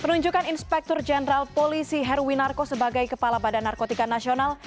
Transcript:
penunjukan inspektur jeneral polisi heru winarko sebagai kepala badan narkotika nasional